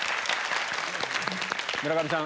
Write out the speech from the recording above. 村上さん